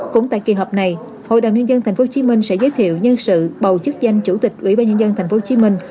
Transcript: cũng tại kỳ họp này hội đồng nhân dân tp hcm sẽ giới thiệu nhân sự bầu chức danh chủ tịch ủy ban nhân dân tp hcm